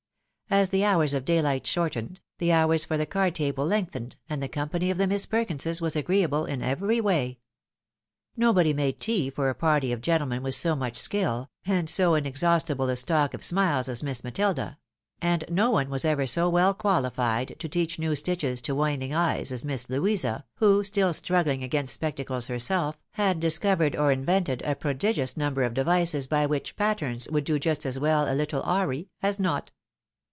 As the hours of daylight shortened, the hours for the card table lengthened, and the company of the Miss Perkinses was agree able in every way. Nobody made tea for a party of gentlemen with so much skill, and so inexhaustible a stock of smiles as Miss MatUda ; and no one was ever so well qualified to teach new stitches to waning eyes as Miss Louisa, who, still struggling against spec tacles herself, had discovered or invented a prodigious number of devices by which " patterns" would do just as well a little awry, as not.